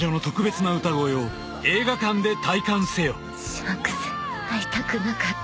シャンクス会いたくなかった。